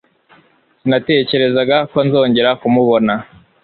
Sinatekerezaga ko nzongera kumubona.